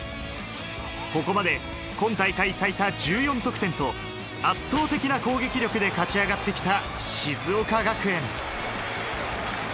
ここまで今大会最多１４得点と、圧倒的な攻撃力で勝ち上がってきた静岡学園。